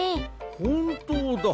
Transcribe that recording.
ほんとうだ！